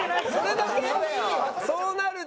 そうなると。